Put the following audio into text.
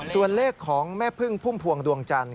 ส่วนเลขของแม่พึ่งพุ่มพวงดวงจันท